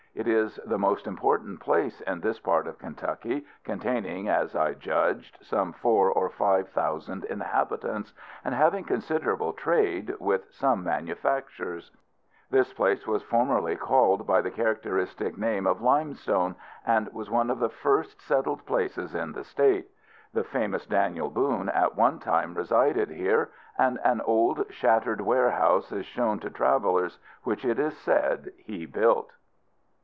It is the most important place in this part of Kentucky, containing, as I judged, some four or five thousand inhabitants, and having considerable trade, with some manufactures. This place was formerly called by the characteristic name of Limestone, and was one of the first settled places in the state. The famous Daniel Boone at one time resided here; and an old shattered warehouse is shown to travelers, which, it is said, he built.